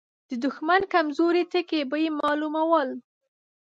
د دښمن کمزوري ټکي به يې مالومول.